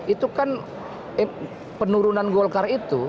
itu kan penurunan golkar itu